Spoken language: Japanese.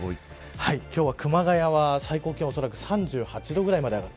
今日は熊谷は最高気温恐らく３８度ぐらいまで上がる。